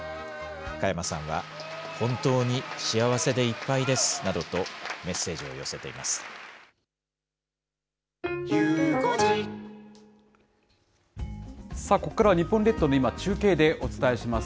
加山さんは、本当に幸せでいっぱいですなどと、メッセージを寄せさあ、ここからは日本列島の今を中継でお伝えします。